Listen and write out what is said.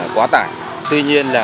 quá tải tuy nhiên là